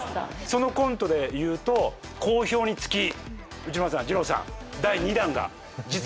そのコントでいうと好評につき内村さんじろうさん第２弾が実現いたしました。